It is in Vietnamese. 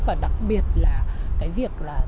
và đặc biệt là cái việc là